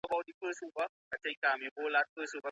کرونا ویروس څنګه کنټرول سو؟